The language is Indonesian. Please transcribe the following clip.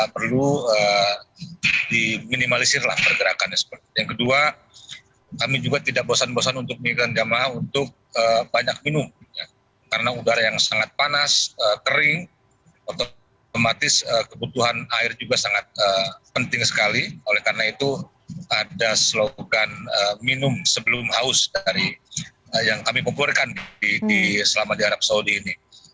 begitu juga dengan makanan